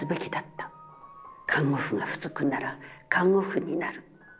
看護婦が不足なら看護婦になる。